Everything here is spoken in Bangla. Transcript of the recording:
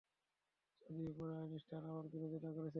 যদিও পরে আইনস্টাইন আবার বিরোধিতা করেছিলেন।